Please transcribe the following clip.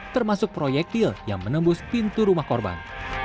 termasuk proyektil yang menembus pintu rumah korban